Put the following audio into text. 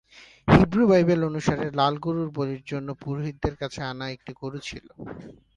Hebrew Bible অনুসারে, লাল গরু বলির জন্য পুরোহিতদের কাছে আনা একটি গরু ছিল।